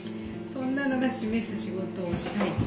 そんなのが示す仕事をしたい。